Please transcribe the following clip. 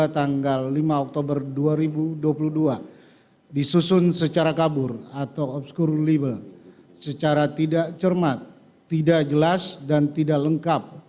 tanggal lima oktober dua ribu dua puluh dua disusun secara kabur atau obskur libel secara tidak cermat tidak jelas dan tidak lengkap